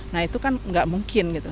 nah itu kan nggak mungkin gitu